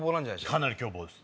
かなり凶暴です。